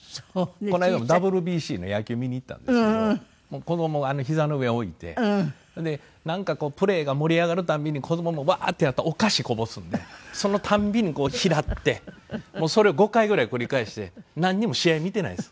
この間もＷＢＣの野球見に行ったんですけど子供を膝の上に置いてほんでなんかプレーが盛り上がる度に子供もワーッてやるとお菓子こぼすんでその度にこう拾ってそれを５回ぐらい繰り返してなんにも試合見ていないんです。